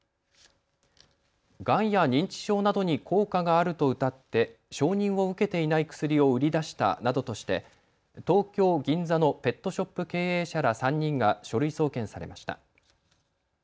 がんや認知症などに効果があるとうたって承認を受けていない薬を売り出したなどとして東京銀座のペットショップ経営者ら３人が書類送検されました。